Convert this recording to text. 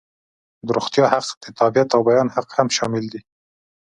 د روغتیا حق، د تابعیت او بیان حق هم شامل دي.